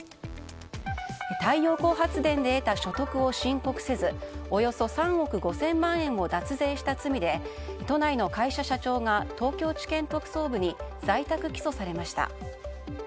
太陽光発電で得た所得を申告せずおよそ３億５０００万円を脱税した罪で都内の会社社長が東京地検特捜部に在宅起訴されました。